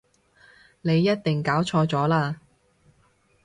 你一定搞錯咗喇